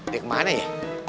dia kemana ya